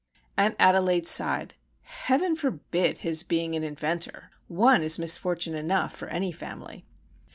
Aunt Adelaide sighed. "Heaven forbid his being an inventor! One is misfortune enough for any family."